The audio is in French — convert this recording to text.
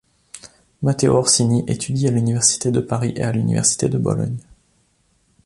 Matteo Orsini étudie à l'université de Paris et à l'université de Bologne.